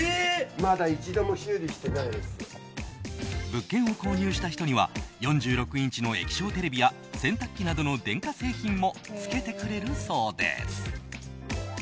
物件を購入した人には４６インチの液晶テレビや洗濯機などの電化製品もつけてくれるそうです。